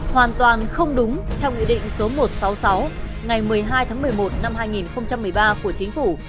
hoàn toàn không đúng theo nghị định số một trăm sáu mươi sáu ngày một mươi hai tháng một mươi một năm hai nghìn một mươi ba của chính phủ